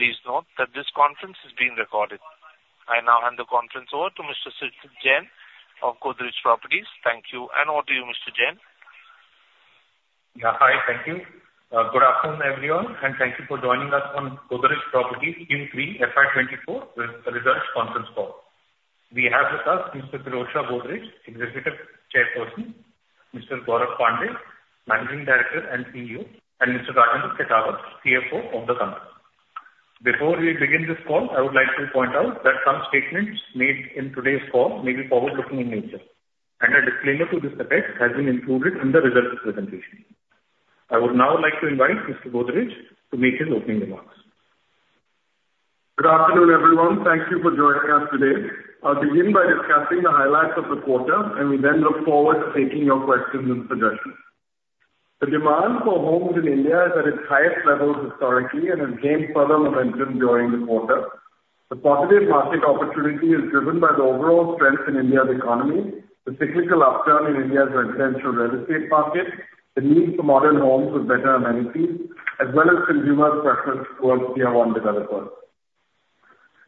Please note that this conference is being recorded. I now hand the conference over to Mr. Kshitij Jain of Godrej Properties. Thank you, and over to you, Mr. Jain. Yeah, hi. Thank you. Good afternoon, everyone, and thank you for joining us on Godrej Properties Q3 FY24 Results Conference Call. We have with us Mr. Adi Godrej, Executive Chairperson; Mr. Gaurav Pandey, Managing Director and CEO; and Mr. Rajendra Khetawat, CFO of the company. Before we begin this call, I would like to point out that some statements made in today's call may be forward-looking in nature, and a disclaimer to this effect has been included in the results presentation. I would now like to invite Mr. Godrej to make his opening remarks. Good afternoon, everyone. Thank you for joining us today. I'll begin by discussing the highlights of the quarter, and we then look forward to taking your questions and suggestions. The demand for homes in India is at its highest levels historically and has gained further momentum during the quarter. The positive market opportunity is driven by the overall strength in India's economy, the cyclical upturn in India's residential real estate market, the need for modern homes with better amenities, as well as consumer preference towards tier one developers.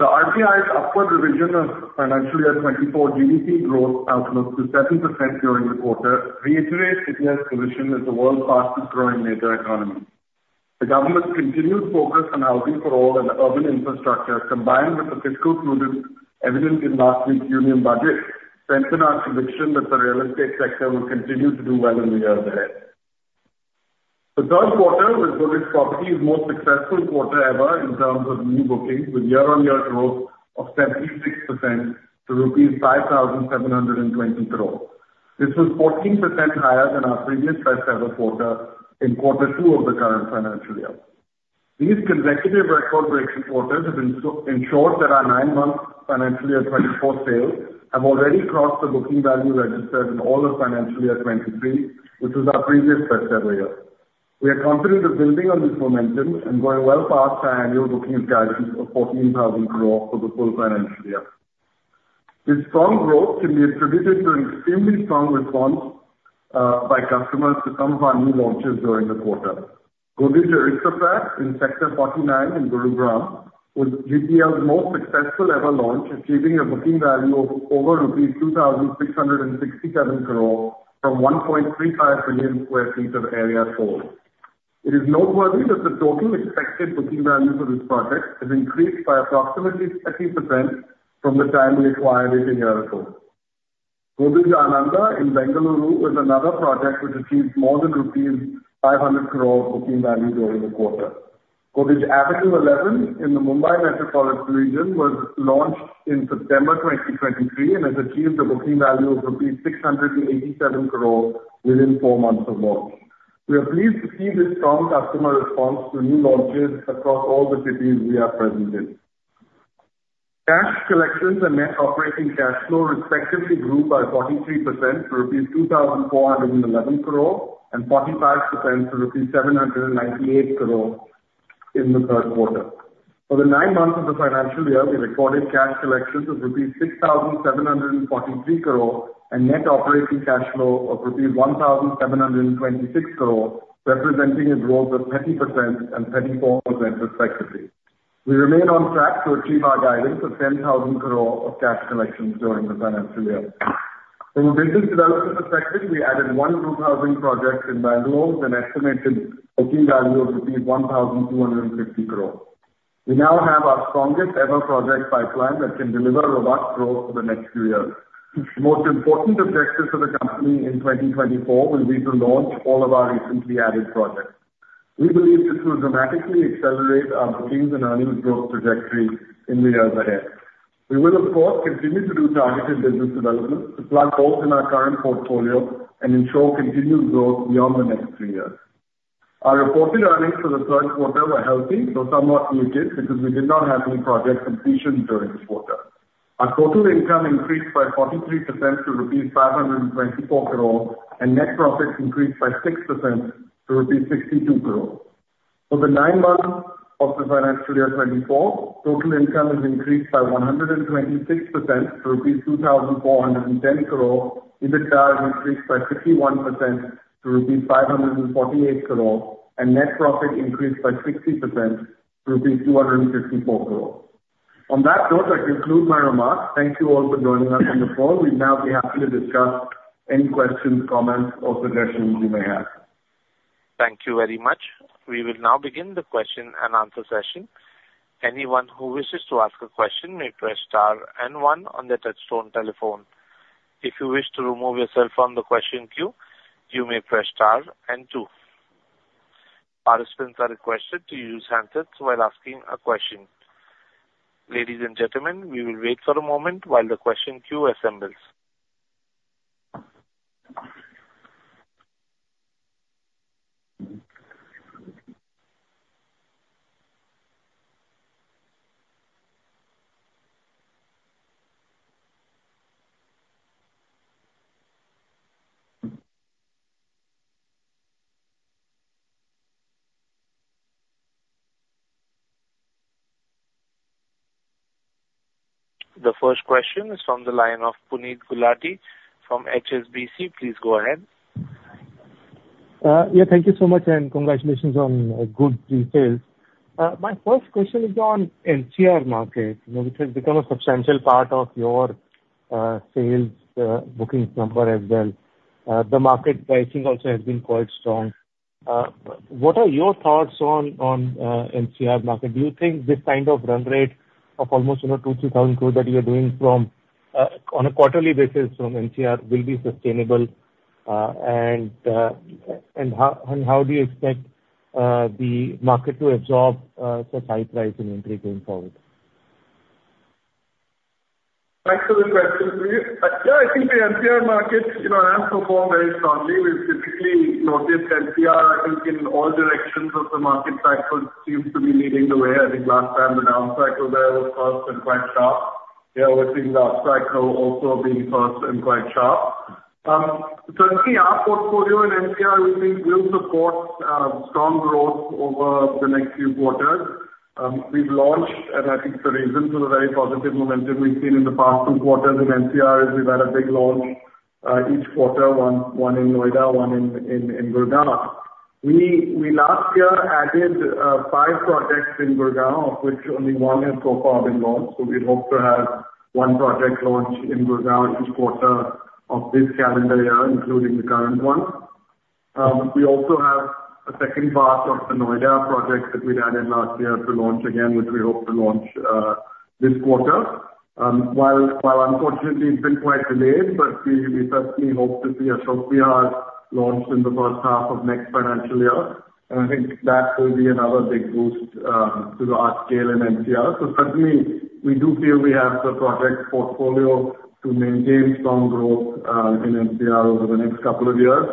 The RBI's upward revision of financial year 2024 GDP growth outlook to 7% during the quarter reiterates India's position as the world's fastest growing major economy. The government's continued focus on housing for all and urban infrastructure, combined with the fiscal prudence evident in last week's Union Budget, strengthen our conviction that the real estate sector will continue to do well in the years ahead. The third quarter was Godrej Properties' most successful quarter ever in terms of new bookings, with year-on-year growth of 76% to rupees 5,720 crore. This was 14% higher than our previous best-ever quarter in quarter two of the current financial year. These consecutive record-breaking quarters have ensured that our nine-month financial year 2024 sales have already crossed the booking value registered in all of financial year 2023, which is our previous best-ever year. We are confident of building on this momentum and going well past our annual bookings guidance of 14,000 crore for the full financial year. This strong growth can be attributed to extremely strong response by customers to some of our new launches during the quarter. Godrej Aristocrat in Sector 49 in Gurugram was GPL's most successful ever launch, achieving a booking value of over rupees 2,667 crore from 1.35 million sq ft of area sold. It is noteworthy that the total expected booking value for this project has increased by approximately 30% from the time we acquired it a year ago. Godrej Ananda in Bengaluru was another project which achieved more than 500 crore rupee booking value during the quarter. Godrej Avenue Eleven in the Mumbai Metropolitan Region was launched in September 2023 and has achieved a booking value of rupees 687 crore within four months of launch. We are pleased to see this strong customer response to new launches across all the cities we are present in. Cash collections and net operating cash flow respectively grew by 43% to rupees 2,411 crore, and 45% to rupees 798 crore in the third quarter. For the nine months of the financial year, we recorded cash collections of INR 6,743 crore and net operating cash flow of INR 1,726 crore, representing a growth of 30% and 34% respectively. We remain on track to achieve our guidance of 10,000 crore of cash collections during the financial year. In the business development perspective, we added one new housing project in Bangalore with an estimated booking value of 1,250 crore. We now have our strongest-ever project pipeline that can deliver robust growth for the next few years. The most important objective for the company in 2024 will be to launch all of our recently added projects. We believe this will dramatically accelerate our bookings and earnings growth trajectory in the years ahead. We will, of course, continue to do targeted business development to plug holes in our current portfolio and ensure continued growth beyond the next three years. Our reported earnings for the third quarter were healthy, though somewhat muted, because we did not have any project completions during this quarter. Our total income increased by 43% to rupees 524 crore, and net profits increased by 6% to rupees 62 crore. For the nine months of the financial year 2024, total income has increased by 126% to INR 2,410 crore, EBITDA increased by 61% to INR 548 crore, and net profit increased by 60% to INR 254 crore. On that note, I conclude my remarks. Thank you all for joining us on the call. We'd now be happy to discuss any questions, comments, or suggestions you may have. Thank you very much. We will now begin the question-and-answer session. Anyone who wishes to ask a question may press star and one on the touchtone telephone. If you wish to remove yourself from the question queue, you may press star and two. Participants are requested to use handsets while asking a question. Ladies and gentlemen, we will wait for a moment while the question queue assembles... The first question is from the line of Puneet Gulati from HSBC. Please go ahead. Yeah, thank you so much, and congratulations on good details. My first question is on NCR market, you know, which has become a substantial part of your sales bookings number as well. The market pricing also has been quite strong. What are your thoughts on NCR market? Do you think this kind of run rate of almost, you know, 2,000 crore-3,000 crore that you are doing from on a quarterly basis from NCR will be sustainable? And how do you expect the market to absorb the price increase going forward? Thanks for the question, Puneet. Yeah, I think the NCR market, you know, has performed very strongly. We've typically noticed NCR, I think, in all directions of the market cycle, seems to be leading the way. I think last time the down cycle there was first and quite sharp. Yeah, we're seeing the up cycle also being first and quite sharp. Certainly our portfolio in NCR, we think will support strong growth over the next few quarters. We've launched, and I think the reasons for the very positive momentum we've seen in the past two quarters in NCR is we've had a big launch each quarter, one in Noida, one in Gurgaon. We last year added five projects in Gurgaon, of which only one has so far been launched. So we hope to have one project launch in Gurgaon each quarter of this calendar year, including the current one. We also have a second part of the Noida project that we'd added last year to launch again, which we hope to launch this quarter. While unfortunately it's been quite delayed, but we certainly hope to see Ashok Vihar launched in the first half of next financial year, and I think that will be another big boost to our scale in NCR. So certainly we do feel we have the project portfolio to maintain strong growth in NCR over the next couple of years,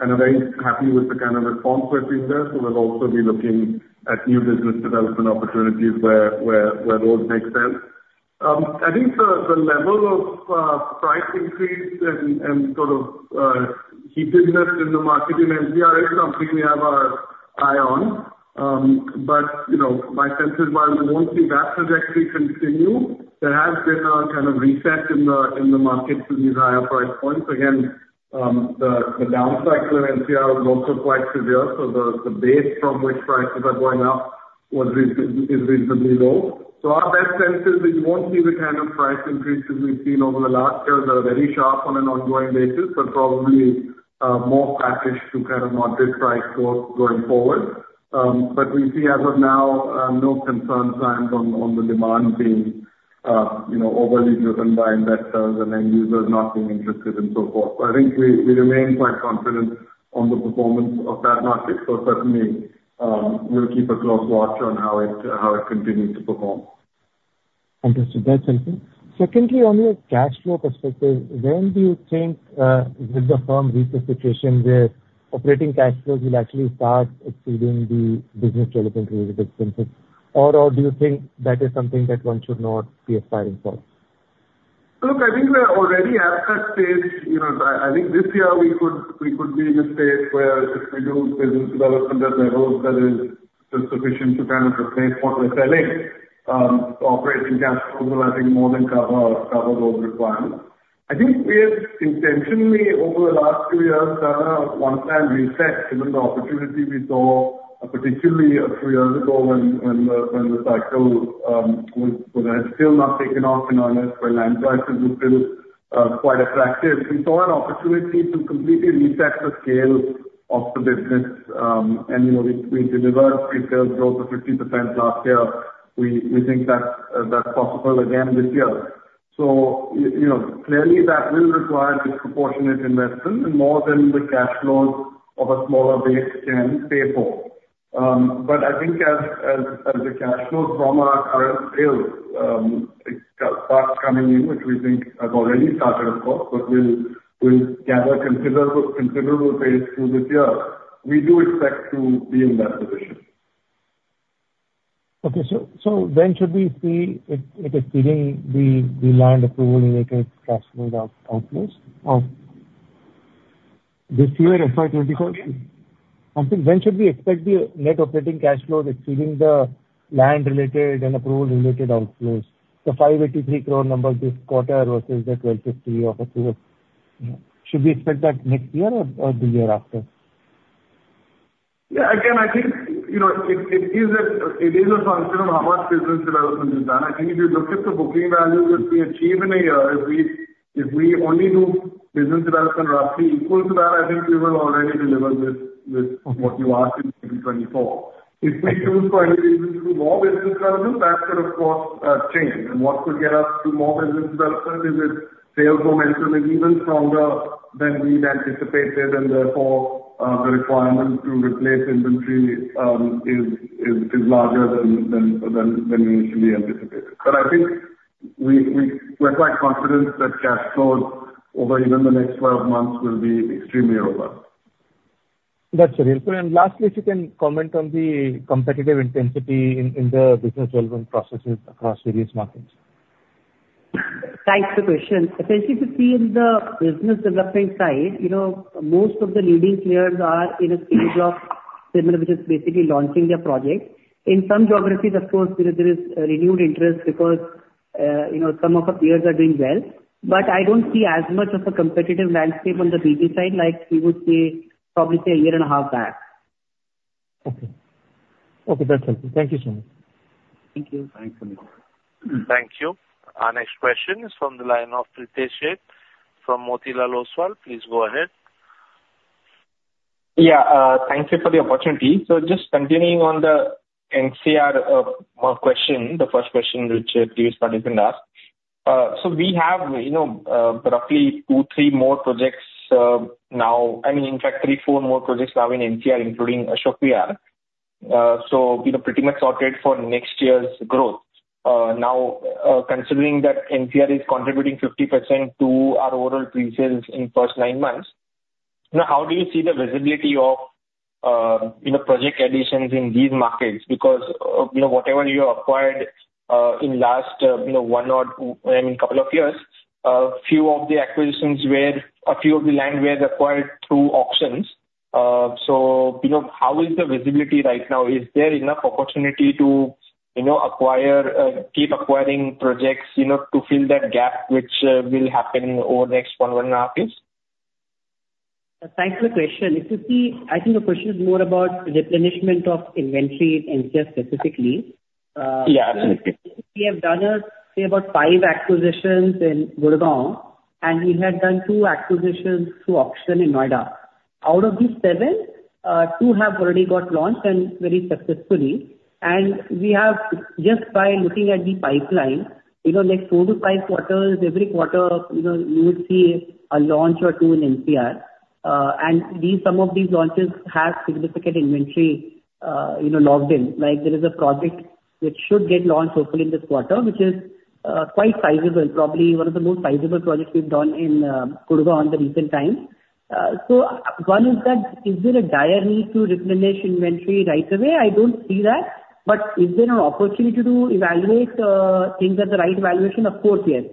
and are very happy with the kind of response we're seeing there. So we'll also be looking at new business development opportunities where those make sense. I think the level of price increase and sort of heatedness in the market in NCR is something we have our eye on. But, you know, my sense is while we won't see that trajectory continue, there has been a kind of reset in the market to these higher price points. Again, the down cycle in NCR was also quite severe, so the base from which prices are going up is reasonably low. So our best sense is that you won't see the kind of price increases we've seen over the last years that are very sharp on an ongoing basis, but probably more packaged to kind of market price growth going forward. But we see as of now no concerns around on the demand being, you know, overly driven by investors and end users not being interested and so forth. So I think we remain quite confident on the performance of that market, so certainly we'll keep a close watch on how it continues to perform. Understood. That's helpful. Secondly, on your cash flow perspective, when do you think, with the firm re-situation where operating cash flows will actually start exceeding the business development-related expenses? Or, or do you think that is something that one should not be aspiring for? Look, I think we're already at that stage. You know, I think this year we could be in a space where if we do business development at levels that is sufficient to kind of replace what we're selling, operating cash flows will I think more than cover those requirements. I think we have intentionally, over the last few years, done a one-time reset, given the opportunity we saw, particularly a few years ago when the cycle was still not taken off in earnest, where land prices were still quite attractive. We saw an opportunity to completely reset the scale of the business. And, you know, we delivered itself growth of 50% last year. We think that that's possible again this year. So you know, clearly that will require disproportionate investment and more than the cash flows of a smaller base can pay for. But I think as the cash flows from our sales start coming in, which we think have already started of course, but will gather considerable pace through this year, we do expect to be in that position. Okay. So when should we see it exceeding the land approval and related cash flows outlays of this year, or 2024? Come again? I think when should we expect the net operating cash flows exceeding the land-related and approval-related outflows? The 583 crore numbers this quarter versus the 1,250 crore of last year. Should we expect that next year or, or the year after? Yeah, again, I think, you know, it is a function of how much business development is done. I think if you look at the booking values that we achieve in a year, if we only do business development roughly equal to that, I think we will already deliver this, this- Okay. What you asked in 2024. If we choose for any reason to do more business development, that could of course change. And what could get us to more business development is if sales momentum is even stronger than we'd anticipated, and therefore the requirement to replace inventory is larger than we initially anticipated. But I think we're quite confident that cash flows over even the next 12 months will be extremely robust. That's clear. Lastly, if you can comment on the competitive intensity in the business development processes across various markets?... Thanks for the question. Essentially, you see in the business development side, you know, most of the leading players are in a stage of similar, which is basically launching their projects. In some geographies, of course, you know, there is a renewed interest because, you know, some of our peers are doing well. But I don't see as much of a competitive landscape on the retail side like we would see probably say a year and a half back. Okay. Okay, that's helpful. Thank you so much. Thank you. Thanks, Sunil. Thank you. Our next question is from the line of Pritesh Sheth from Motilal Oswal. Please go ahead. Yeah. Thank you for the opportunity. So just continuing on the NCR, one question, the first question which previous participant asked. So we have, you know, roughly two, three more projects, now, I mean, in fact, three, four more projects now in NCR, including Ashok Vihar. So, you know, pretty much sorted for next year's growth. Now, considering that NCR is contributing 50% to our overall pre-sales in first nine months, now, how do you see the visibility of, you know, project additions in these markets? Because, you know, whatever you acquired, in last, you know, one or, I mean, couple of years, few of the acquisitions where a few of the land were acquired through auctions. So, you know, how is the visibility right now? Is there enough opportunity to, you know, acquire, keep acquiring projects, you know, to fill that gap, which will happen over the next one and a half years? Thanks for the question. If you see, I think the question is more about replenishment of inventory in NCR specifically. Yeah, absolutely. We have done, say about five acquisitions in Gurgaon, and we have done two acquisitions through auction in Noida. Out of these seven, two have already got launched and very successfully. And we have just by looking at the pipeline, you know, next two to five quarters, every quarter, you know, you would see a launch or two in NCR. And these, some of these launches have significant inventory, you know, logged in. Like, there is a project which should get launched hopefully in this quarter, which is, quite sizable, probably one of the most sizable projects we've done in, Gurgaon in the recent times. So one is that, is there a dire need to replenish inventory right away? I don't see that. But is there an opportunity to evaluate, things at the right valuation? Of course, yes.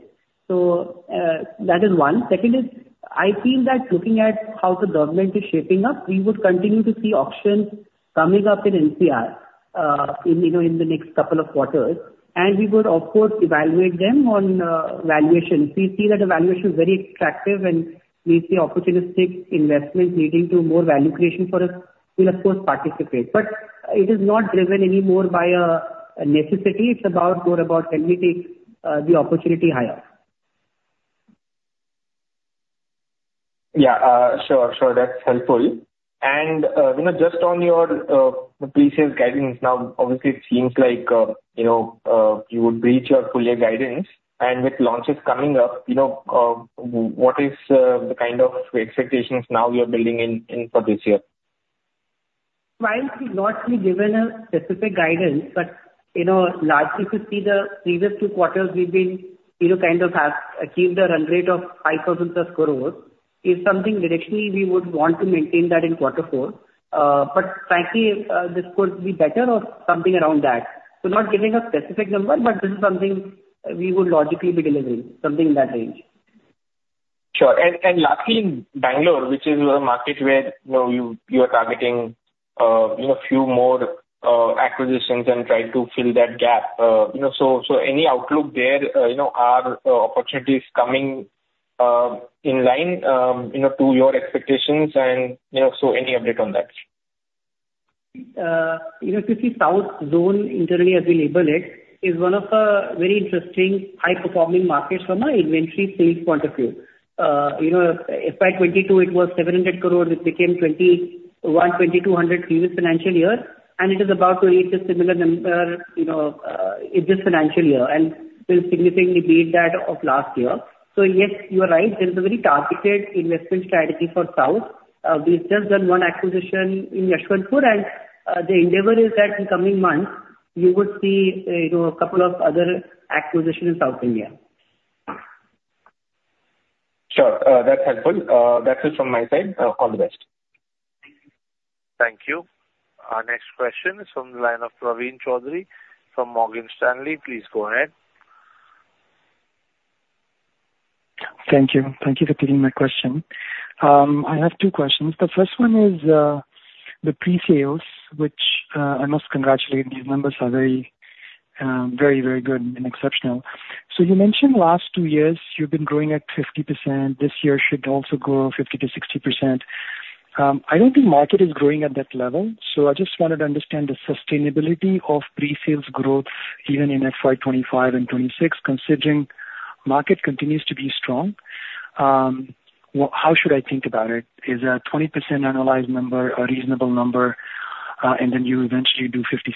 So, that is one. Second is, I feel that looking at how the government is shaping up, we would continue to see auctions coming up in NCR, you know, in the next couple of quarters, and we would of course evaluate them on valuation. We see that the valuation is very attractive, and we see opportunistic investments leading to more value creation for us. We'll of course participate, but it is not driven any more by a necessity. It's about more about can we take the opportunity higher? Yeah. Sure, sure. That's helpful. And, you know, just on your pre-sales guidance, now, obviously it seems like, you know, you would reach your full year guidance. And with launches coming up, you know, what is the kind of expectations now you're building in for this year? While we've not really given a specific guidance, but, you know, largely to see the previous two quarters, we've been, you know, kind of have achieved a run rate of 5,000+ crore, is something directionally we would want to maintain that in quarter four. But frankly, this could be better or something around that. So not giving a specific number, but this is something we would logically be delivering, something in that range. Sure. And lastly, Bangalore, which is a market where, you know, you are targeting, you know, few more acquisitions and trying to fill that gap. You know, so any outlook there, you know, are opportunities coming in line, you know, to your expectations and, you know, so any update on that? You know, if you see South Zone, internally, as we label it, is one of the very interesting high-performing markets from an inventory sales point of view. You know, FY 2022, it was 700 crore. It became 2,100-2,200 previous financial year, and it is about to reach a similar number, you know, in this financial year, and will significantly beat that of last year. So yes, you are right, there is a very targeted investment strategy for South. We've just done one acquisition in Yeshwanthpur, and, the endeavor is that in coming months you would see, you know, a couple of other acquisitions in South India. Sure. That's helpful. That's it from my side. All the best. Thank you. Our next question is from the line of Praveen Chaudhary from Morgan Stanley. Please go ahead. Thank you. Thank you for taking my question. I have two questions. The first one is, the pre-sales, which, I must congratulate. These numbers are very, very, very good and exceptional. So you mentioned last two years you've been growing at 50%. This year should also grow 50%-60%. I don't think market is growing at that level, so I just wanted to understand the sustainability of pre-sales growth even in FY 2025 and 2026, considering market continues to be strong. Well, how should I think about it? Is, 20% analyst number a reasonable number, and then you eventually do 50%,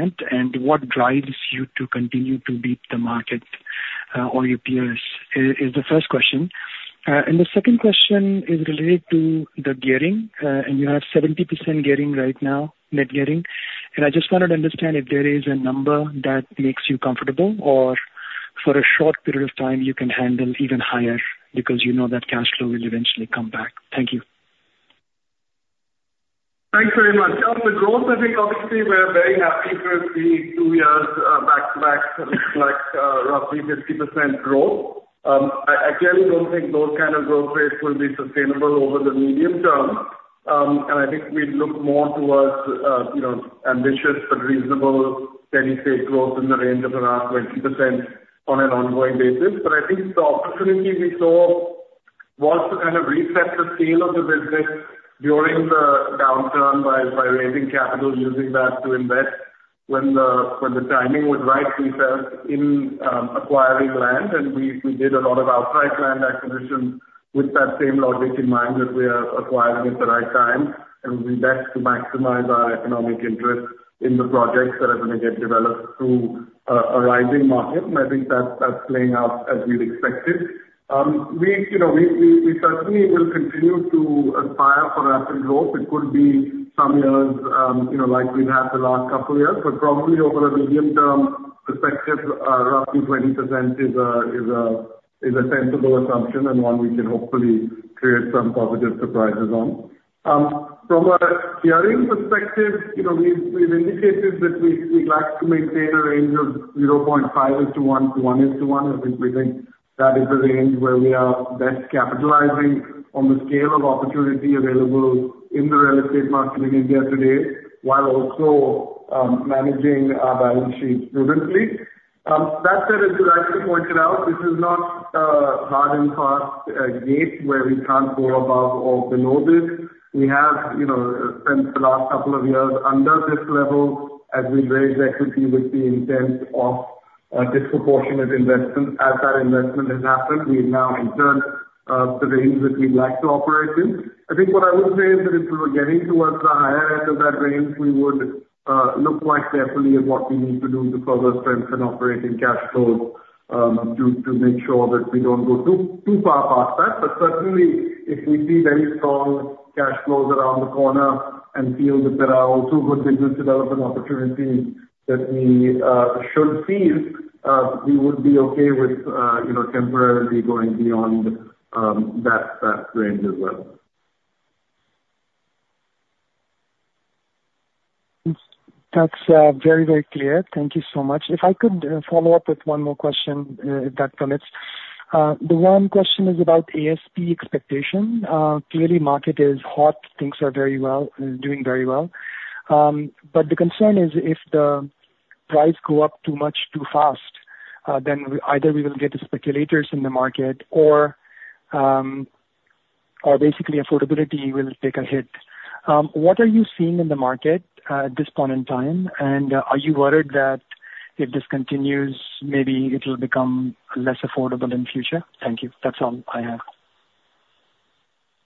60%? And what drives you to continue to beat the market, or your peers? Is the first question. The second question is related to the gearing, and you have 70% gearing right now, net gearing. I just wanted to understand if there is a number that makes you comfortable, or for a short period of time you can handle even higher because you know that cash flow will eventually come back. Thank you.... Thanks very much. The growth, I think obviously we're very happy to have seen two years back to back, like, roughly 50% growth. I clearly don't think those kind of growth rates will be sustainable over the medium term. I think we'd look more towards you know, ambitious but reasonable steady state growth in the range of around 20% on an ongoing basis. But I think the opportunity we saw was to kind of reset the scale of the business during the downturn by raising capital, using that to invest when the timing was right, we felt, in acquiring land, and we did a lot of outright land acquisition with that same logic in mind, that we are acquiring at the right time, and we best to maximize our economic interest in the projects that are gonna get developed through a rising market, and I think that's playing out as we'd expected. We, you know, certainly will continue to aspire for rapid growth. It could be some years, you know, like we've had the last couple years, but probably over a medium-term perspective, roughly 20% is a sensible assumption and one we can hopefully create some positive surprises on. From a gearing perspective, you know, we've, we've indicated that we'd, we'd like to maintain a range of 0.5:1 to 1:1. I think we think that is the range where we are best capitalizing on the scale of opportunity available in the real estate market in India today, while also, managing our balance sheet prudently. That said, as you rightly pointed out, this is not a hard and fast, gate, where we can't go above or below this. We have, you know, spent the last couple of years under this level as we raised equity with the intent of a disproportionate investment. As that investment has happened, we have now returned to the range that we'd like to operate in. I think what I would say is that if we were getting towards the higher end of that range, we would look quite carefully at what we need to do to further strengthen operating cash flows, to make sure that we don't go too far past that. But certainly, if we see very strong cash flows around the corner and feel that there are also good business development opportunities that we should seize, we would be okay with, you know, temporarily going beyond that range as well. That's very, very clear. Thank you so much. If I could follow up with one more question, if that permits. The one question is about ASP expectation. Clearly market is hot, things are very well doing very well. But the concern is if the price go up too much, too fast, then we either will get the speculators in the market or, or basically affordability will take a hit. What are you seeing in the market at this point in time? Are you worried that if this continues, maybe it will become less affordable in future? Thank you. That's all I have.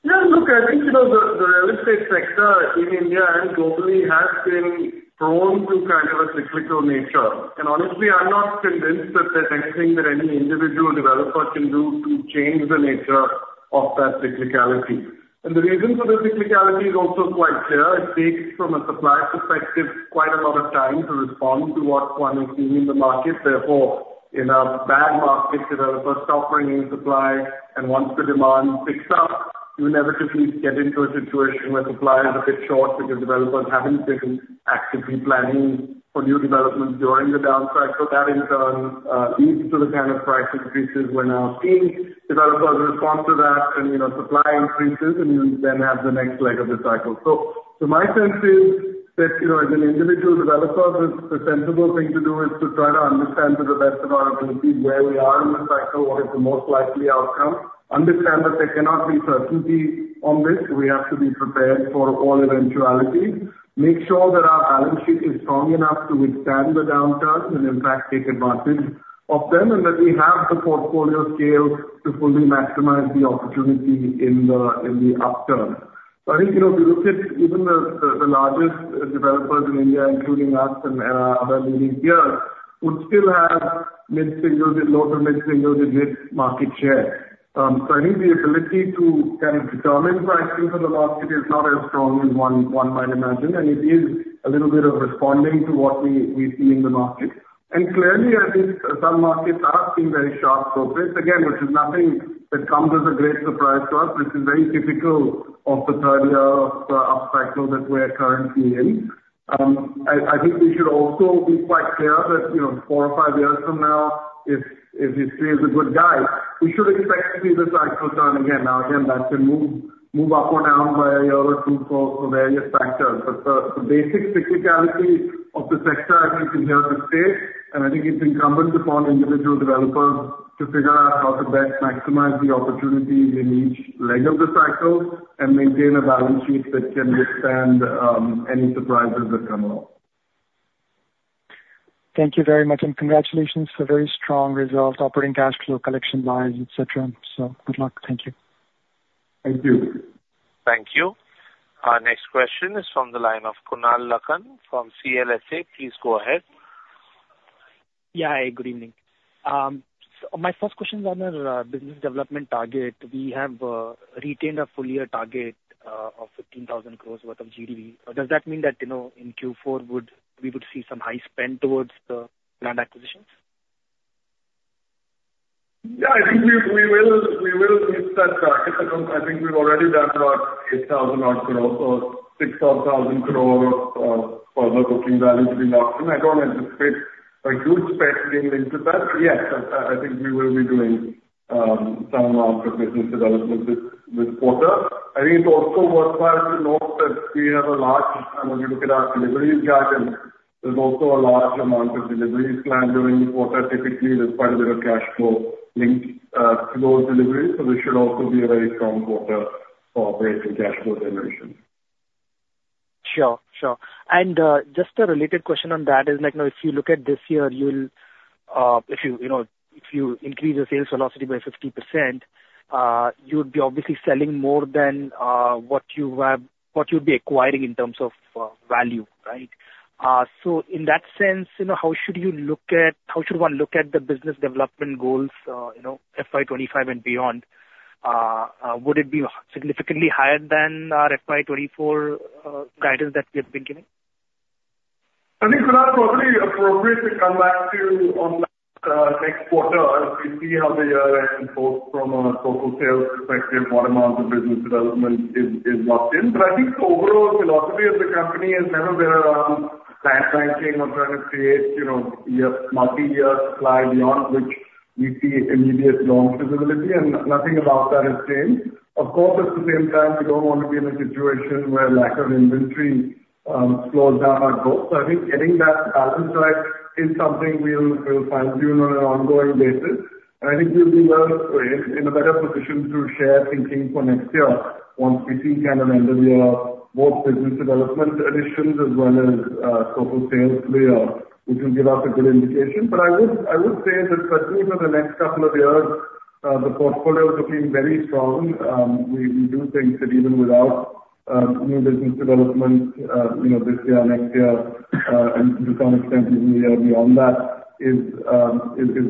Yeah, look, I think, you know, the real estate sector in India and globally has been prone to kind of a cyclical nature. And honestly, I'm not convinced that there's anything that any individual developer can do to change the nature of that cyclicality. And the reason for the cyclicality is also quite clear. It takes, from a supply perspective, quite a lot of time to respond to what one is seeing in the market. Therefore, in a bad market, developers stop bringing supply, and once the demand picks up, you inevitably get into a situation where supply is a bit short because developers haven't been actively planning for new development during the downside. So that, in turn, leads to the kind of price increases we're now seeing. Developers respond to that, and, you know, supply increases, and you then have the next leg of the cycle. So my sense is that, you know, as an individual developer, the sensible thing to do is to try to understand to the best of our ability, where we are in the cycle, what is the most likely outcome? Understand that there cannot be certainty on this. We have to be prepared for all eventualities. Make sure that our balance sheet is strong enough to withstand the downturn, and in fact take advantage of them, and that we have the portfolio scale to fully maximize the opportunity in the upturn. I think, you know, if you look at even the largest developers in India, including us and other leading peers, would still have mid-singles and lower to mid-singles in market share. So I think the ability to kind of determine pricing for the market is not as strong as one might imagine, and it is a little bit of responding to what we see in the market. And clearly, I think some markets are seeing very sharp growth rates, again, which is nothing that comes as a great surprise to us. This is very typical of the third year of upcycle that we're currently in. I think we should also be quite clear that, you know, four or five years from now, if history is a good guide, we should expect to see the cycle turn again. Now, again, that can move up or down by a year or two for various factors, but the basic cyclicality of the sector, I think, is here to stay, and I think it's incumbent upon individual developers to figure out how to best maximize the opportunity in each leg of the cycle and maintain a balance sheet that can withstand any surprises that come along. Thank you very much, and congratulations for very strong results, operating cash flow, collection lines, et cetera. So good luck. Thank you. Thank you. Thank you. Our next question is from the line of Kunal Lakhan from CLSA. Please go ahead. Yeah. Hi, good evening. So my first question is on our business development target. We have retained a full year target of 15,000 crore worth of GDV. Does that mean that, you know, in Q4, would we see some high spend towards the land acquisitions?... Yeah, I think we will hit that target. I think we've already done about 8,000 crore, so 6 or 1,000 crore of further booking value to be locked in. I don't anticipate a huge spike being linked to that. Yes, I think we will be doing some amount of business development this quarter. I think it's also worthwhile to note that we have a large, and when you look at our delivery gap, and there's also a large amount of deliveries planned during the quarter. Typically, there's quite a bit of cash flow linked to those deliveries, so this should also be a very strong quarter for operating cash flow generation. Sure, sure. And, just a related question on that is like, now, if you look at this year, you'll, if you, you know, if you increase your sales velocity by 50%, you'd be obviously selling more than, what you have, what you'd be acquiring in terms of, value, right? So in that sense, you know, how should you look at, how should one look at the business development goals, you know, FY 2025 and beyond? Would it be significantly higher than our FY 2024 guidance that we have been giving? I think it is probably appropriate to come back to you on next quarter and see how the year ends, both from a total sales perspective, what amount of business development is locked in. But I think the overall philosophy of the company is never been time binding or trying to create, you know, year, multi-year supply beyond which we see immediate long visibility, and nothing about that has changed. Of course, at the same time, we don't want to be in a situation where lack of inventory slows down our growth. So I think getting that balance right is something we'll fine-tune on an ongoing basis, and I think we'll be in a better position to share thinking for next year once we see kind of end of the year, both business development additions as well as total sales for the year, which will give us a good indication. But I would say that certainly for the next couple of years, the portfolio is looking very strong. We do think that even without new business development, you know, this year or next year, and to some extent even the year beyond that, is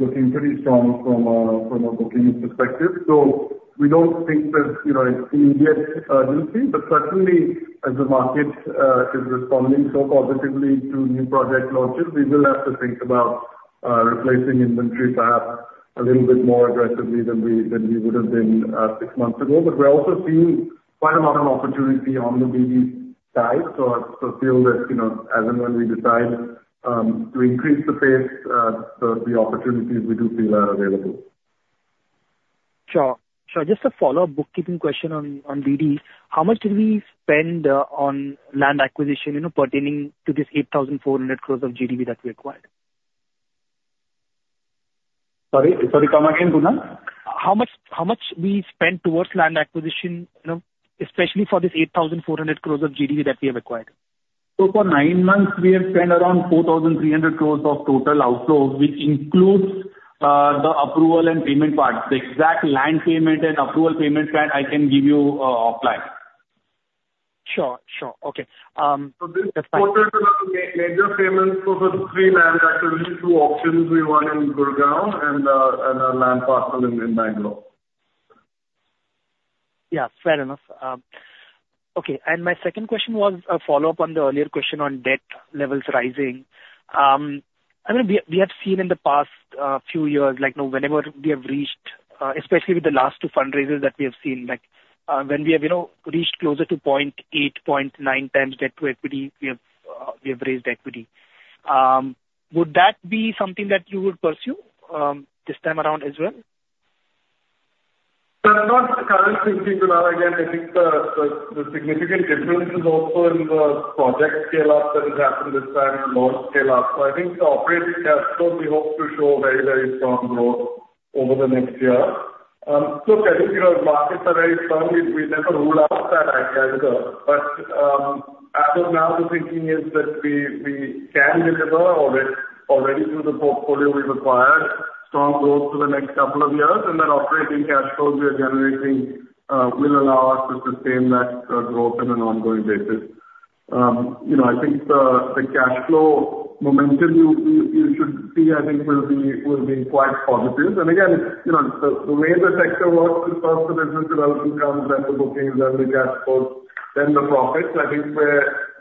looking pretty strong from a bookings perspective. So we don't think that, you know, it's immediate urgency, but certainly as the market is responding so positively to new project launches, we will have to think about replacing inventory perhaps a little bit more aggressively than we, than we would have been six months ago. But we're also seeing quite a amount of opportunity on the BD side. So I still feel that, you know, as and when we decide to increase the pace, the opportunities we do feel are available. Sure, sure. Just a follow-up bookkeeping question on BD. How much did we spend on land acquisition, you know, pertaining to this 8,400 crore of GDV that we acquired? Sorry, sorry, come again, Kunal? How much, how much we spent towards land acquisition, you know, especially for this 8,400 crore of GDV that we have acquired? So for nine months, we have spent around 4,300 crore of total outflows, which includes the approval and payment part. The exact land payment and approval payment side, I can give you offline. Sure, sure. Okay. That's fine. This quarter, the major payments were for three land acquisitions, two options we won in Gurgaon and a land parcel in Bangalore. Yeah, fair enough. Okay. And my second question was a follow-up on the earlier question on debt levels rising. I mean, we, we have seen in the past, few years, like, now, whenever we have reached, especially with the last two fundraisers that we have seen, like, when we have, you know, reached closer to 0.8, 0.9 times debt to equity, we have, we have raised equity. Would that be something that you would pursue, this time around as well? That's not currently thinking, Kunal. Again, I think the significant difference is also in the project scale-up that has happened this time and loan scale-up. So I think the operating cash flow, we hope to show very, very strong growth over the next year. So I think, you know, markets are very strong. We never ruled out that idea either. But, as of now, the thinking is that we can deliver already through the portfolio we've acquired, strong growth for the next couple of years, and that operating cash flows we are generating will allow us to sustain that growth on an ongoing basis. You know, I think the cash flow momentum you should see, I think will be quite positive. Again, you know, the way the sector works is first the business development comes, then the bookings, then the cash flows, then the profits. I think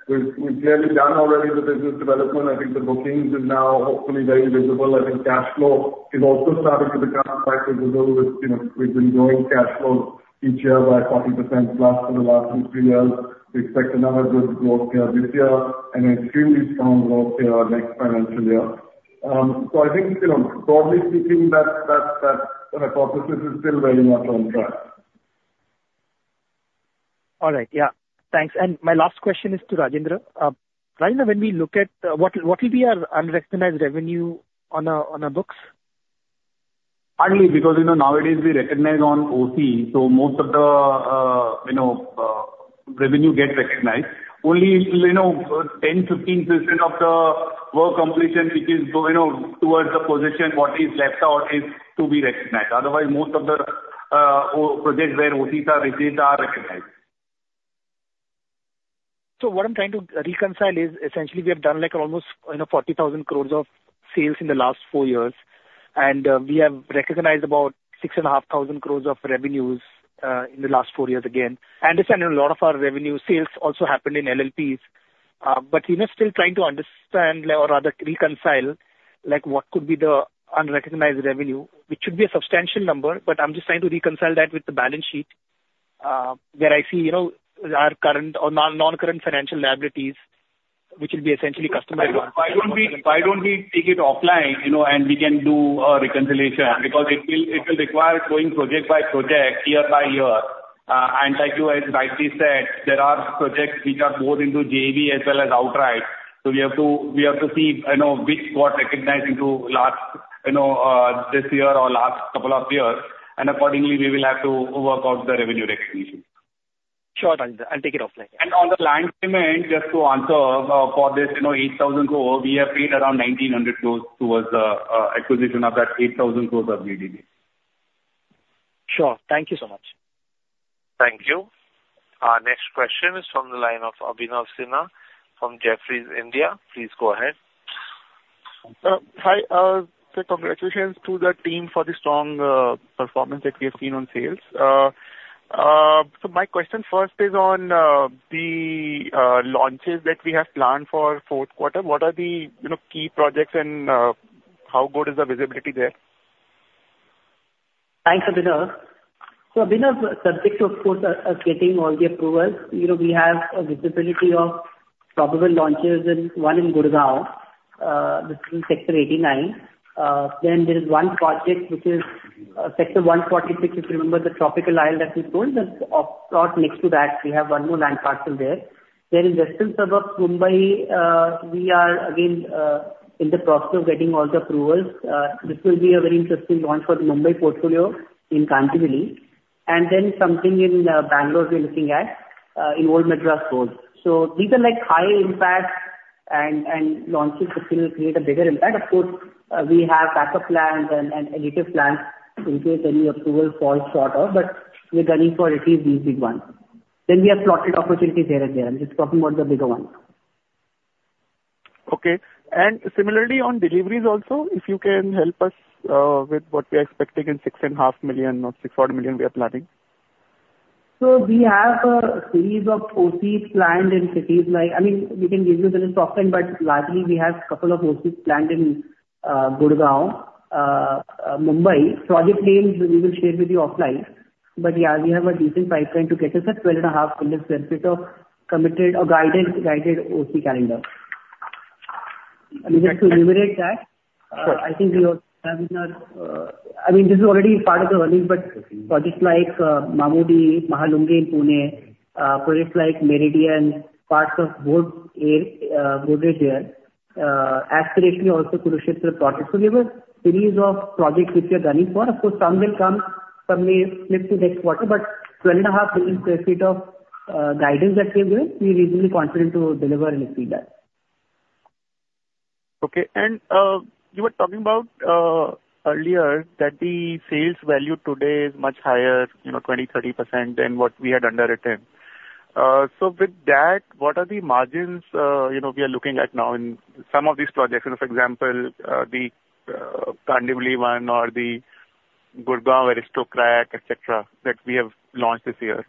we've clearly done already the business development. I think the bookings is now hopefully very visible. I think cash flow is also starting to become quite visible with, you know, we've been growing cash flows each year by 40%+for the last two, three years. We expect another good growth year this year and extremely strong growth year our next financial year. So I think, you know, broadly speaking, that focus is still very much on track. All right. Yeah. Thanks. My last question is to Rajendra. Rajendra, when we look at what will be our unrecognized revenue on our books? Hardly, because, you know, nowadays we recognize on OC, so most of the revenue gets recognized. Only, you know, 10-15% of the work completion, which is, you know, towards the position, what is left out is to be recognized. Otherwise, most of the projects where OCs are released are recognized. So what I'm trying to reconcile is, essentially, we have done like almost, you know, 40,000 crore of sales in the last four years, and we have recognized about 6,500 crore of revenues in the last four years again. I understand a lot of our revenue sales also happened in LLPs. But, you know, still trying to understand or rather reconcile, like what could be the unrecognized revenue, which should be a substantial number, but I'm just trying to reconcile that with the balance sheet, where I see, you know, our current or non-current financial liabilities, which will be essentially customer- Why don't we, why don't we take it offline, you know, and we can do a reconciliation? Because it will, it will require going project by project, year by year. And like you has rightly said, there are projects which are both into JVs as well as outright, so we have to, we have to see, you know, which got recognized in the last, you know, this year or last couple of years, and accordingly, we will have to work out the revenue recognition. Sure, I'll take it offline. On the land payment, just to answer, for this, you know, 8,000 crore, we have paid around 1,900 crore towards the acquisition of that 8,000 crore of GDV. Sure. Thank you so much. Thank you. Our next question is from the line of Abhinav Sinha from Jefferies, India. Please go ahead. Hi. So, congratulations to the team for the strong performance that we have seen on sales. So, my question first is on the launches that we have planned for fourth quarter. What are the, you know, key projects and how good is the visibility there? Thanks, Abhinav. So, Abhinav, subject to, of course, getting all the approvals, you know, we have a visibility of probable launches in one in Gurgaon, which in Sector 89. Then there is one project which is Sector 146. If you remember the Tropical Isle that we sold, the off plot next to that, we have one more land parcel there. Then in western suburbs Mumbai, we are again in the process of getting all the approvals. This will be a very interesting launch for the Mumbai portfolio in Kandivali. And then something in Bangalore we're looking at in Old Madras Road. So these are like high impact and launches which will create a bigger impact. Of course, we have backup plans and alternative plans in case any approval falls short of, but we're gunning for at least these big ones. Then we have plotted opportunities here and there. I'm just talking about the bigger ones. Okay. And similarly, on deliveries also, if you can help us with what we are expecting in 6.5 million or 6-odd million we are planning. So we have a series of OCs planned in cities like... I mean, we can give you the list of them, but largely we have a couple of OCs planned in Gurgaon, Mumbai. Project names we will share with you offline, but yeah, we have a decent pipeline to get us at 12.5 million sq ft of committed or guided OC calendar. And just to reiterate that- Sure. I think we are, I mean, this is already part of the earnings, but projects like, Mamurdi, Mahalunge in Pune, projects like Meridien, parts of Borivali, Gurgaon, aspirationally also Kurukshetra project. So there were series of projects which we are gunning for. Of course, some will come, some may slip to next quarter, but 12.5 million sq ft of, guidance that we gave, we're reasonably confident to deliver and see that. Okay. You were talking about earlier that the sales value today is much higher, you know, 20%-30% than what we had underwritten. So with that, what are the margins, you know, we are looking at now in some of these projects? For example, the Kandivali one or the Gurgaon Aristocrat, et cetera, that we have launched this year.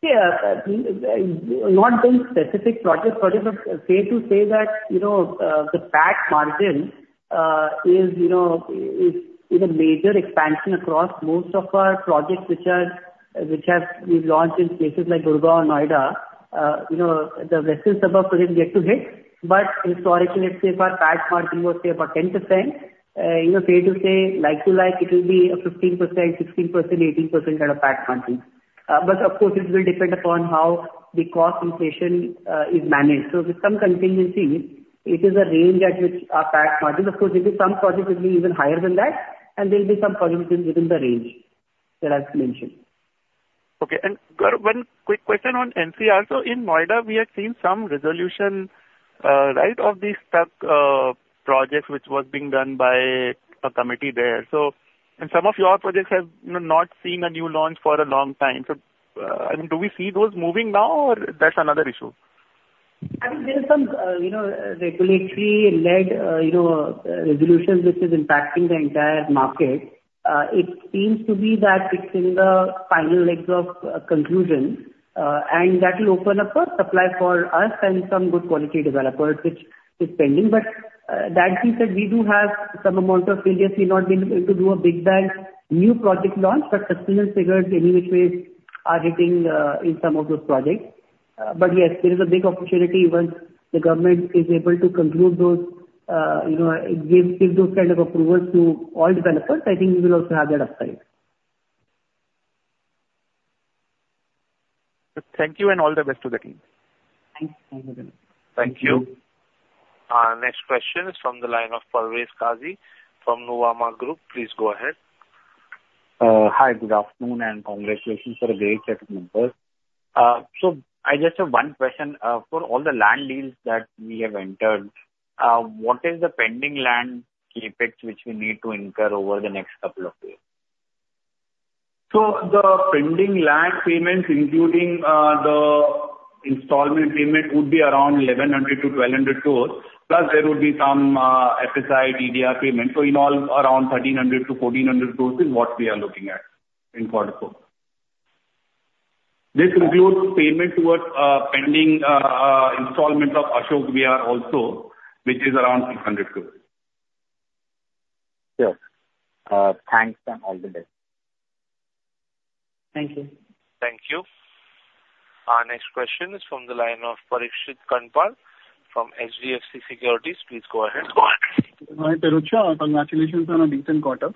Yeah, not those specific projects, but it's safe to say that, you know, the PAT margin is, you know, is a major expansion across most of our projects, which have we've launched in places like Gurgaon, Noida. You know, the western suburbs projects yet to hit, but historically, let's say, if our PAT margin was, say, about 10%, you know, fair to say, like to like, it will be a 15%, 16%, 18% kind of PAT margin. But of course, it will depend upon how the cost inflation is managed. So with some contingency, it is a range at which our PAT margin, of course, there will be some projects will be even higher than that, and there will be some projects within the range that I've mentioned. Okay. And one quick question on NCR. So in Noida, we have seen some resolution, right, of the stuck projects which was being done by a committee there. So, and some of your projects have, you know, not seen a new launch for a long time. So, I mean, do we see those moving now, or that's another issue? I think there's some, you know, regulatory-led, you know, resolutions which is impacting the entire market. It seems to be that it's in the final legs of, conclusion, and that will open up a supply for us and some good quality developers, which is pending. But, that being said, we do have some amount of previous, we've not been able to do a big bang new project launch, but customer figures any which ways are hitting, in some of those projects. But yes, there is a big opportunity once the government is able to conclude those, you know, give, give those kind of approvals to all developers. I think we will also have that upside. Thank you, and all the best to the team. Thanks. Thank you. Thank you. Our next question is from the line of Parvez Kazi from Nuvama Group. Please go ahead. Hi, good afternoon, and congratulations for a great set of numbers. So I just have one question. For all the land deals that we have entered, what is the pending land CapEx which we need to incur over the next couple of years? The pending land payments, including the installment payment, would be around 1,100-1,200 crore, plus there would be some FSI, TDR payment. In all, around 1,300-1,400 crore is what we are looking at.... in quarter four. This includes payment towards pending installment of Ashok Vihar also, which is around 600 crore. Sure. Thanks, and all the best. Thank you. Thank you. Our next question is from the line of Parikshit Kandpal from HDFC Securities. Please go ahead. Hi, Pirojsha, congratulations on a decent quarter.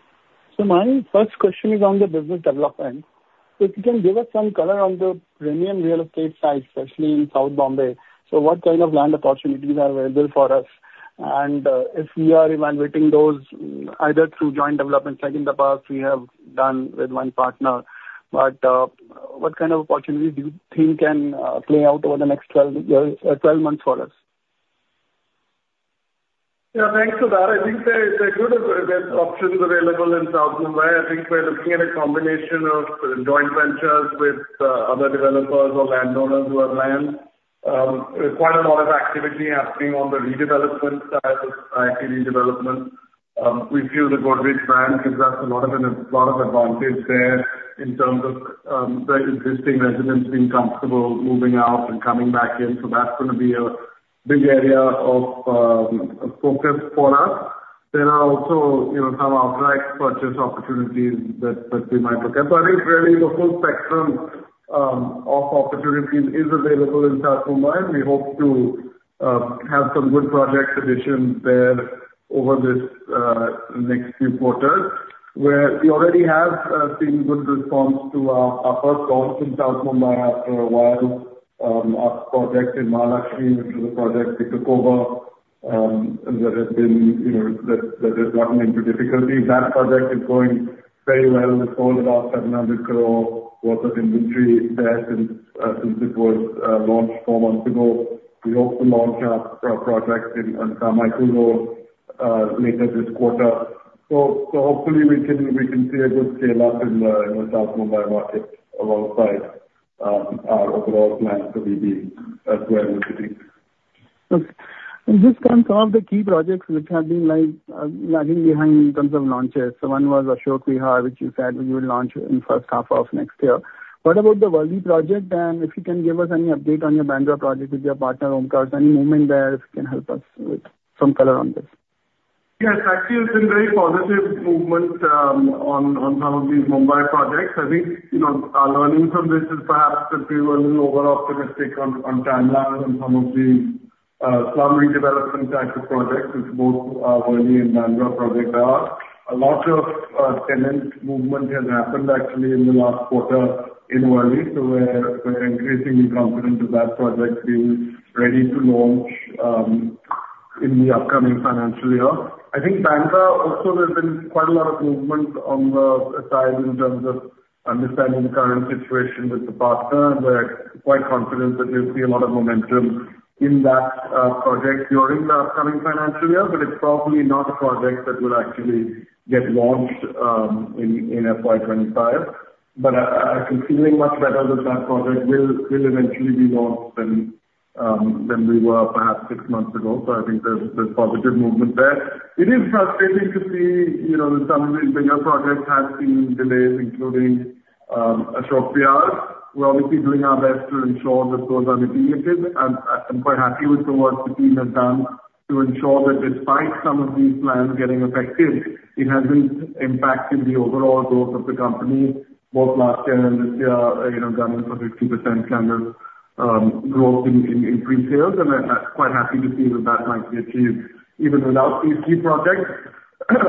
So my first question is on the business development. If you can give us some color on the premium real estate side, especially in South Bombay. So what kind of land opportunities are available for us? And, if we are evaluating those either through joint developments, like in the past we have done with one partner, but, what kind of opportunities do you think can, play out over the next 12 years, 12 months for us? Yeah, thanks for that. I think there could have been options available in South Mumbai. I think we're looking at a combination of joint ventures with other developers or landowners who have land. Quite a lot of activity happening on the redevelopment side of it, redevelopment. We feel the Godrej brand gives us a lot of, a lot of advantage there in terms of the existing residents being comfortable moving out and coming back in, so that's gonna be a big area of focus for us. There are also, you know, some outright purchase opportunities that we might look at. So I think really the full spectrum of opportunities is available in South Mumbai. We hope to have some good project additions there over this next few quarters, where we already have seen good response to our first launch in South Mumbai after a while, our project in Mahalaxmi, which is a project in Jacob Circle, that has been, you know, that has gotten into difficulty. That project is going very well. We sold about 700 crore worth of inventory there since it was launched four months ago. We hope to launch our project in Mahim later this quarter. So hopefully we can see a good scale-up in the South Mumbai market alongside our overall plans to be the where we could be. Good. And just confirm the key projects which have been like, lagging behind in terms of launches. So one was Ashok Vihar, which you said you would launch in first half of next year. What about the Worli project? And if you can give us any update on your Bandra project with your partner, Omkar? Any movement there can help us with some color on this. Yes, actually, it's been very positive movement on some of these Mumbai projects. I think, you know, our learning from this is perhaps that we were a little over-optimistic on timelines on some of the slum redevelopment type of projects, which both Worli and Bandra project are. A lot of tenant movement has happened actually in the last quarter in Worli, so we're increasingly confident that that project being ready to launch in the upcoming financial year. I think Bandra also, there's been quite a lot of movement on the side in terms of understanding the current situation with the partner. We're quite confident that we'll see a lot of momentum in that project during the upcoming financial year, but it's probably not a project that will actually get launched in FY 2025. But I feel much better that that project will eventually be launched than we were perhaps six months ago, so I think there's positive movement there. It is frustrating to see, you know, some of the bigger projects have seen delays, including Ashok Vihar. We're obviously doing our best to ensure that those are mitigated, and I'm quite happy with the work the team has done to ensure that despite some of these plans getting affected, it hasn't impacted the overall growth of the company both last year and this year, you know, guidance of 60% kind of growth in pre-sales. And I'm quite happy to see that that might be achieved even without these key projects.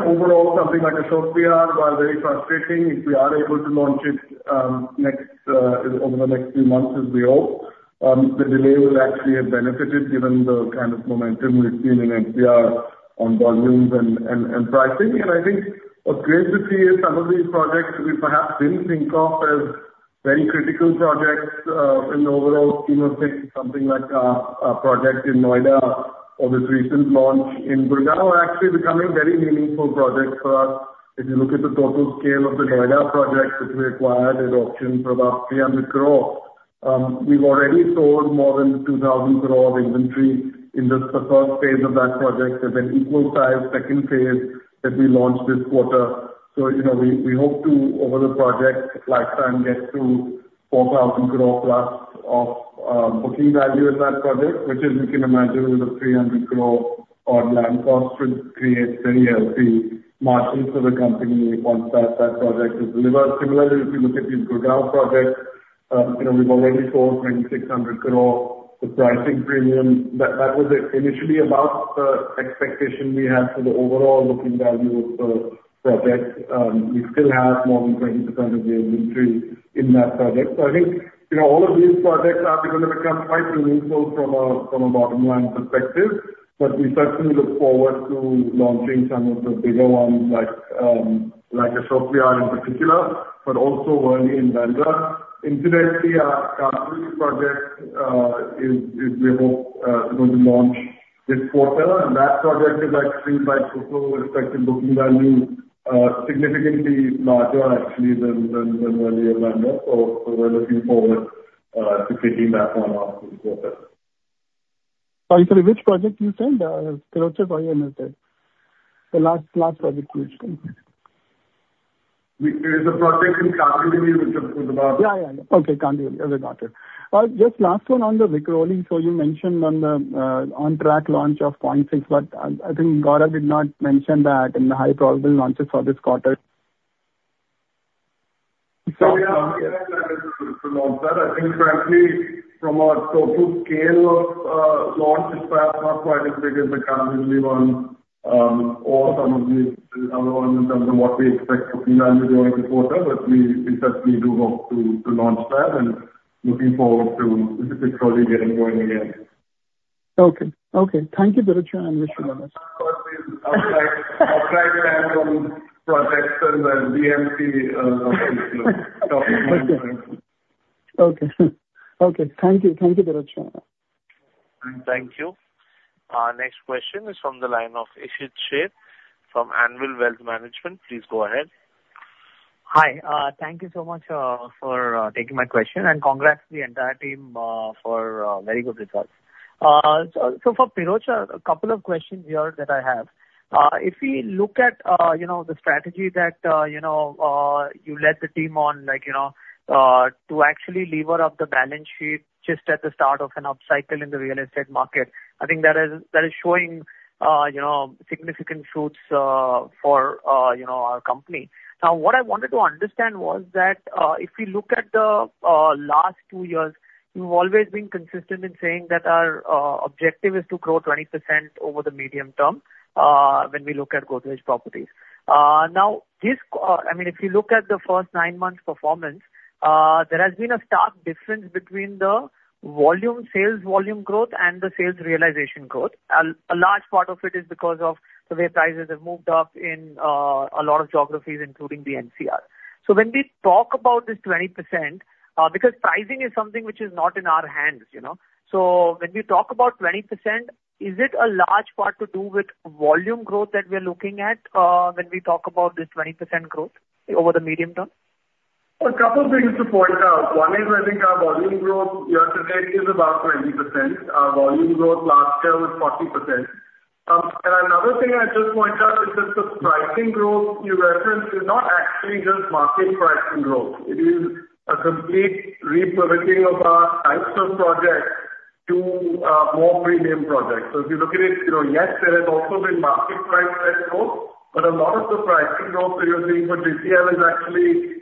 Overall, something like Ashok Vihar, while very frustrating, if we are able to launch it over the next few months, as we hope, the delay will actually have benefited given the kind of momentum we've seen in MMR on volumes and pricing. And I think what's great to see is some of these projects we perhaps didn't think of as very critical projects in the overall scheme of things, something like a project in Noida or this recent launch in Gurgaon are actually becoming very meaningful projects for us. If you look at the total scale of the Noida project, which we acquired at auction for about 300 crore, we've already sold more than 2,000 crore of inventory in the first phase of that project. There's an equal size second phase that we launched this quarter. So, you know, we hope to, over the project lifetime, get to 4,000 crore+ of booking value in that project, which is, we can imagine, with a 300 crore on land cost, which creates very healthy margins for the company once that project is delivered. Similarly, if you look at the Gurgaon project, you know, we've already sold 2,600 crore. The pricing premium that was initially above the expectation we had for the overall booking value of the project. We still have more than 20% of the inventory in that project. So I think, you know, all of these projects are going to become quite meaningful from a bottom line perspective, but we certainly look forward to launching some of the bigger ones, like, like Ashok Vihar in particular, but also Worli and Bandra. Incidentally, our Kandivali project is, we hope, going to launch this quarter, and that project is actually quite respectable booking value, significantly larger actually than Worli and Bandra. So we're looking forward to hitting that one off as well.... Sorry, sorry, which project you said? The last, last project we It is a project in. Yeah, yeah. Okay. I got it. Just last one on the. So you mentioned on the on-track launch of 0.6, but I think Gaurav did not mention that in the highly probable launches for this quarter. So yeah, I think frankly, from a total scale of launch, it's perhaps not quite as big as the inaudible one, or some of the other ones in terms of what we expect for inaudible this quarter. But we certainly do hope to launch that and looking forward to inaudible getting going again. Okay. Okay. Thank you, Pirojsha and Vishnu. I'll try to add on projects and BMC. Okay. Okay. Thank you. Thank you, Pirojsha. Thank you. Our next question is from the line of Ishit Sheth from Anvil Wealth Management. Please go ahead. Hi. Thank you so much for taking my question, and congrats to the entire team for very good results. So for Pirojsha, a couple of questions here that I have. If we look at you know, the strategy that you know you led the team on, like, you know, to actually lever up the balance sheet just at the start of an upcycle in the real estate market, I think that is showing you know, significant fruits for you know, our company. Now, what I wanted to understand was that if we look at the last two years, you've always been consistent in saying that our objective is to grow 20% over the medium term when we look at Godrej Properties. Now, this, I mean, if you look at the first nine months' performance, there has been a stark difference between the volume, sales volume growth and the sales realization growth. A large part of it is because of the way prices have moved up in a lot of geographies, including the NCR. So when we talk about this 20%, because pricing is something which is not in our hands, you know? So when we talk about 20%, is it a large part to do with volume growth that we are looking at, when we talk about this 20% growth over the medium term? A couple things to point out. One is, I think our volume growth year to date is about 20%. Our volume growth last year was 40%. Another thing I'd just point out is that the pricing growth you referenced is not actually just market pricing growth. It is a complete repositioning of our types of projects to more premium projects. If you look at it, you know, yes, there has also been market price growth, but a lot of the pricing growth previously for this year is actually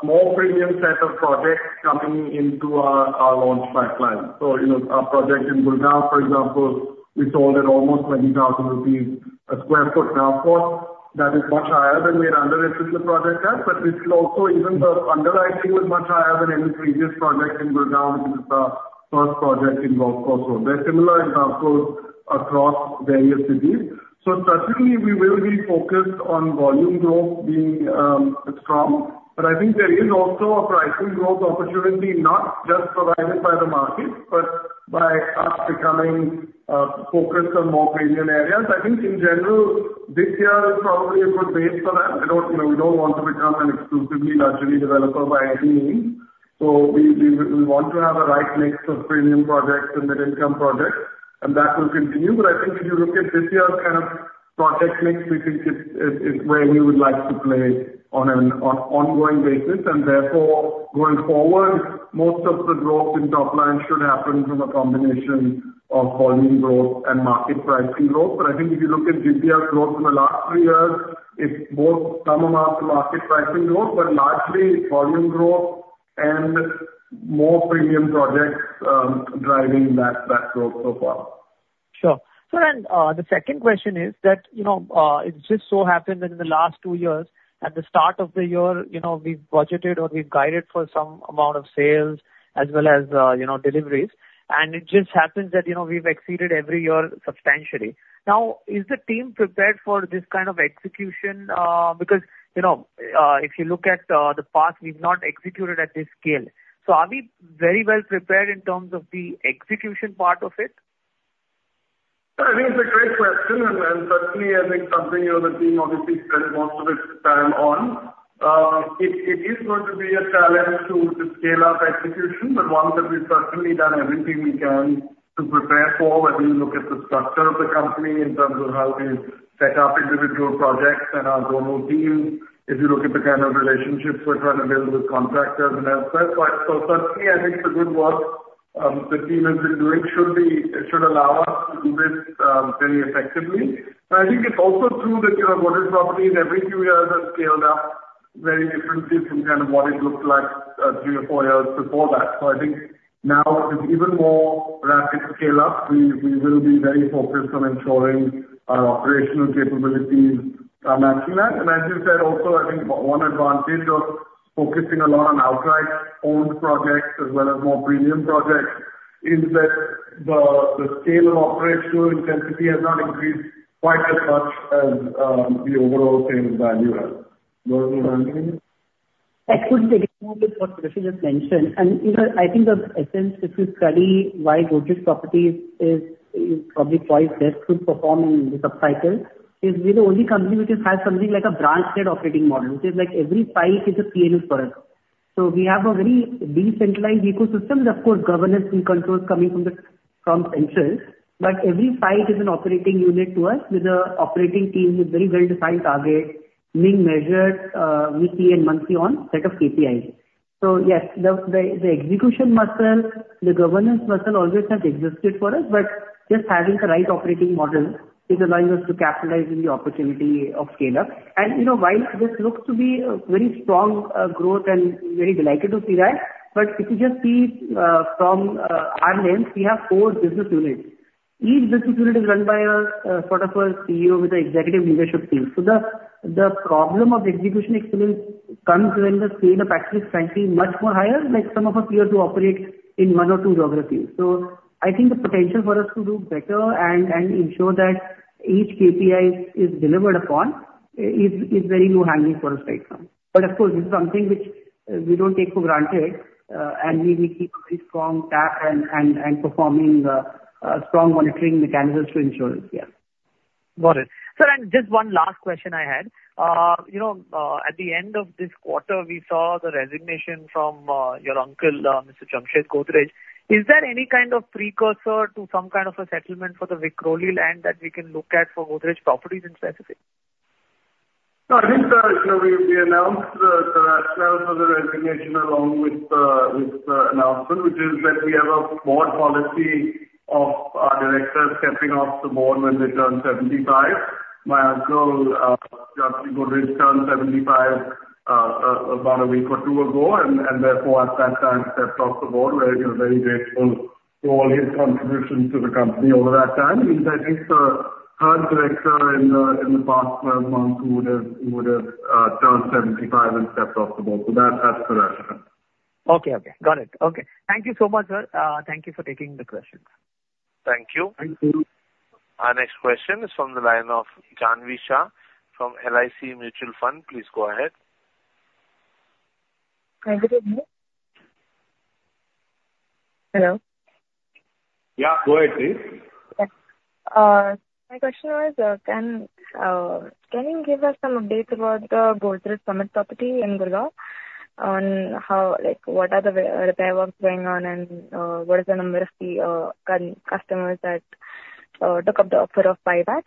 more premium set of projects coming into our launch pipeline. You know, our project in Gurgaon, for example, we sold at almost 20,000 rupees/sq ft. Now, of course, that is much higher than we had underestimated the project at, but it's also even the underwriting was much higher than any previous project in Gurgaon, which is the first project in Golf Course Road. There are similar examples across various cities. So certainly we will be focused on volume growth being strong, but I think there is also a pricing growth opportunity, not just provided by the market, but by us becoming focused on more premium areas. I think in general, this year is probably a good base for that. I don't, you know, we don't want to become an exclusively luxury developer by any means. So we, we, we want to have a right mix of premium projects and mid-income projects, and that will continue. But I think if you look at this year's kind of project mix, we think it's where we would like to play on an ongoing basis. And therefore, going forward, most of the growth in top line should happen from a combination of volume growth and market pricing growth. But I think if you look at GPL's growth in the last three years, it's both some amount of market pricing growth, but largely volume growth and more premium projects driving that growth so far. Sure. So then, the second question is that, you know, it just so happened that in the last two years, at the start of the year, you know, we've budgeted or we've guided for some amount of sales as well as, you know, deliveries. And it just happens that, you know, we've exceeded every year substantially. Now, is the team prepared for this kind of execution? Because, you know, if you look at the past, we've not executed at this scale. So are we very well prepared in terms of the execution part of it? I think it's a great question, and certainly, I think something, you know, the team obviously spends most of its time on. It is going to be a challenge to scale up execution, but one that we've certainly done everything we can to prepare for, whether you look at the structure of the company in terms of how we've set up individual projects and our global team. If you look at the kind of relationships we're trying to build with contractors and elsewhere. So certainly, I think the good work, the team has been doing should be, it should allow us to do this very effectively. And I think it's also true that, you know, Godrej Properties every few years has scaled up very differently from kind of what it looked like three or four years before that. So I think now with an even more rapid scale-up, we will be very focused on ensuring our operational capabilities matching that. And as you said, also, I think one advantage of focusing a lot on outright owned projects as well as more premium projects is that the scale of operational intensity has not increased quite as much as the overall sales value has. Do you want to? I couldn't agree more with what Pirojsha just mentioned. And, you know, I think the essence, if you study why Godrej Properties is, is probably twice best to perform in the subcycle, is we're the only company which has something like a branch-led operating model, which is like every site is a P&L for us.... So we have a very decentralized ecosystem, of course, governance and controls coming from the central, but every site is an operating unit to us, with an operating team with very well-defined targets being measured weekly and monthly on set of KPIs. So yes, the execution muscle, the governance muscle always has existed for us, but just having the right operating model is allowing us to capitalize on the opportunity of scale-up. And, you know, while this looks to be a very strong growth and very delighted to see that, but if you just see from our lens, we have four business units. Each business unit is run by a sort of a CEO with an executive leadership team. So the problem of execution experience comes when the scale of practice is frankly much more higher, like some of us here to operate in one or two geographies. So I think the potential for us to do better and ensure that each KPI is delivered upon is very new handling for us right now. But of course, this is something which we don't take for granted, and we will keep a very strong track and performing strong monitoring mechanisms to ensure this, yeah. Got it. Sir, and just one last question I had. You know, at the end of this quarter, we saw the resignation from your uncle, Mr. Jamshed Godrej. Is there any kind of precursor to some kind of a settlement for the Vikhroli land that we can look at for Godrej Properties in specific? No, I think, you know, we announced the rationale for the resignation along with the announcement, which is that we have a board policy of our directors stepping off the board when they turn 75. My uncle, Jamshed Godrej, turned 75 about a week or two ago, and therefore, at that time, stepped off the board, where we are very grateful for all his contributions to the company over that time. He's, I think, the third director in the past month who would have turned 75 and stepped off the board. So that's the rationale. Okay, okay. Got it. Okay. Thank you so much, sir. Thank you for taking the questions. Thank you. Thank you. Our next question is from the line of Jahnvi Shah from LIC Mutual Fund. Please go ahead. Thank you, good morning. Hello? Yeah, go ahead, please. Yeah. My question was, can you give us some updates about the Godrej Summit property in Gurgaon, on how, like, what are the works going on, and what is the number of the customers that took up the offer of buyback?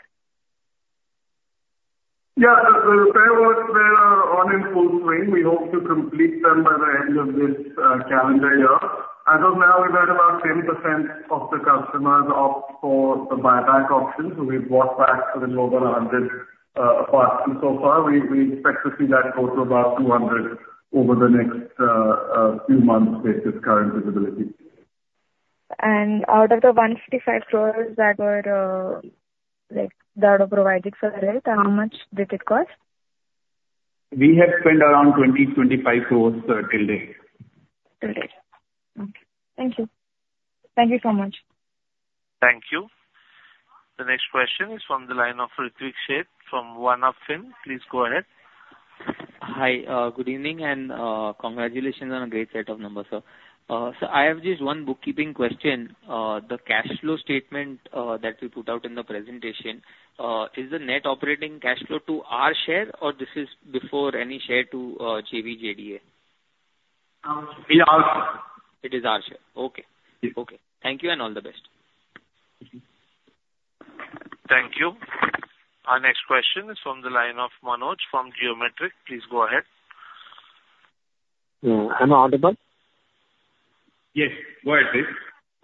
Yeah, the works were on in full swing. We hope to complete them by the end of this calendar year. As of now, we've had about 10% of the customers opt for the buyback option, so we've bought back a little over 100 apartments so far. We expect to see that go to about 200 over the next few months with this current visibility. Out of the 155 crore that are provided for the rent, how much did it cost? We have spent around 20-25 crore till date. Till date. Okay. Thank you. Thank you so much. Thank you. The next question is from the line of Ritwik Sheth, from One Up Financial Consultants. Please go ahead. Hi, good evening, and, congratulations on a great set of numbers, sir. So I have just one bookkeeping question. The cash flow statement that you put out in the presentation is the net operating cash flow to our share, or this is before any share to, JV JDA? It is our share. It is our share. Okay. Yes. Okay. Thank you, and all the best. Thank you. Our next question is from the line of Manoj from Geometric. Please go ahead. Am I audible? Yes, go ahead, please.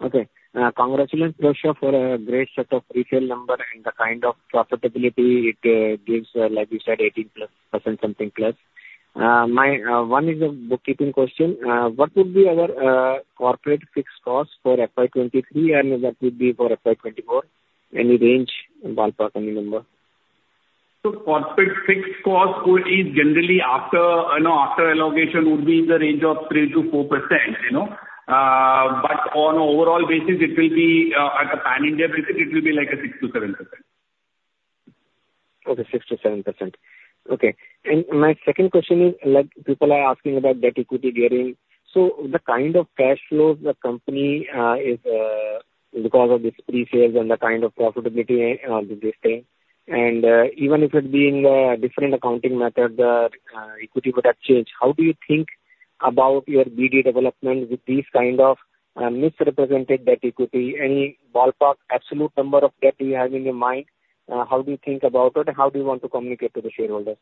Okay. Congratulations, sir, for a great set of retail number and the kind of profitability it gives, like you said, 18%+ something +. My one is a bookkeeping question. What would be our corporate fixed cost for FY 2023, and what would be for FY 2024? Any range, ballpark, any number? So corporate fixed cost would be generally after, you know, after allocation would be in the range of 3%-4%, you know. But on overall basis, it will be, at a pan-India basis, it will be like a 6%-7%. Okay, 6%-7%. Okay. And my second question is, like, people are asking about debt equity gearing. So the kind of cash flows the company is, because of this pre-sales and the kind of profitability, this thing, and, even if it being a different accounting method, equity would have changed, how do you think about your BD development with this kind of, misrepresented debt equity? Any ballpark, absolute number of debt you have in your mind, how do you think about it? How do you want to communicate to the shareholders?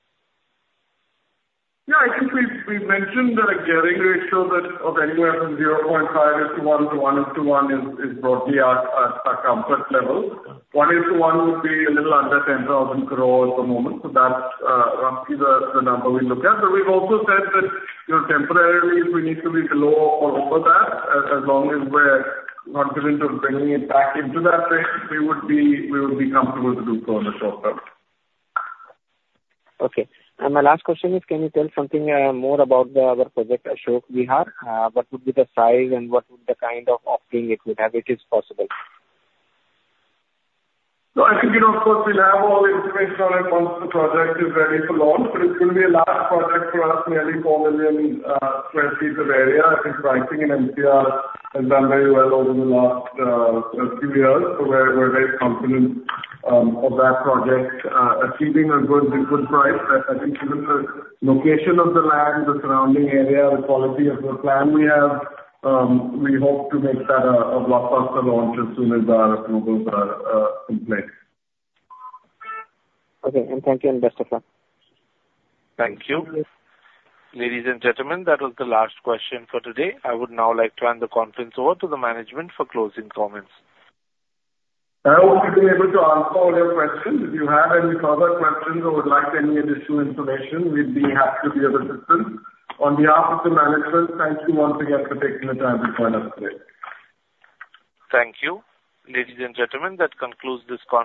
Yeah, I think we've mentioned the gearing ratio that of anywhere from 0.5 to 1, 1:1 is broadly our comfort level. 1:1 would be a little under 10,000 crore at the moment, so that's roughly the number we look at. But we've also said that, you know, temporarily, if we need to be below or over that, as long as we're not going to bringing it back into that range, we would be comfortable to do so in the short term. Okay. And my last question is: can you tell something more about the other project, Ashok Vihar? What would be the size and what would the kind of offering it would have, if it is possible? So I think, you know, of course, we'll have all the information on it once the project is ready to launch, but it will be a large project for us, nearly 4 million sq ft of area. I think pricing in NCR has done very well over the last few years, so we're very confident of that project achieving a good price. I think given the location of the land, the surrounding area, the quality of the plan we have, we hope to make that a blockbuster launch as soon as our approvals are complete. Okay, and thank you, and best of luck. Thank you. Ladies and gentlemen, that was the last question for today. I would now like to hand the conference over to the management for closing comments. I hope we were able to answer all your questions. If you have any further questions or would like any additional information, we'd be happy to be of assistance. On behalf of the management, thank you once again for taking the time to join us today. Thank you. Ladies and gentlemen, that concludes this conference-